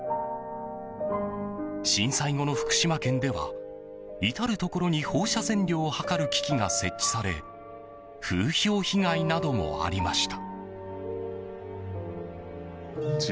震災後の福島県では至るところに放射線量を測る機器が設置され風評被害などもありました。